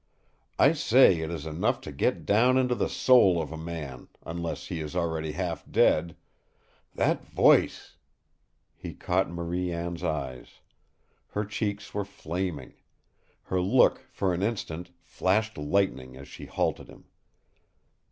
I say it is enough to get down into the soul of a man, unless he is already half dead! That voice " He caught Marie Anne's eyes. Her cheeks were flaming. Her look, for an instant, flashed lightning as she halted him.